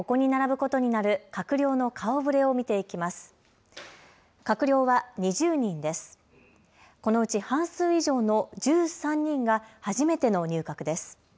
このうち半数以上の１３人が初めての入閣です。